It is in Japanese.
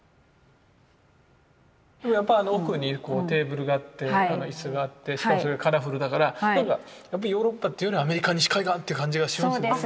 やっぱり奥にテーブルがあって椅子があってしかもそれがカラフルだからなんかやっぱりヨーロッパというよりアメリカ西海岸という感じがしますよね。